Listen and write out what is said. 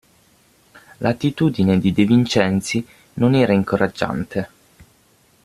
L'attitudine di De Vincenzi non era incoraggiante.